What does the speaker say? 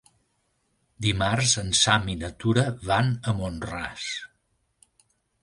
Dimarts en Sam i na Tura van a Mont-ras.